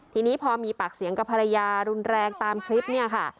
ทีนี้พอมีปากเสียงกับภรรยารุนแรงตามคลิปเนี่ยค่ะ